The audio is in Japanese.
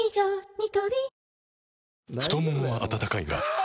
ニトリ太ももは温かいがあ！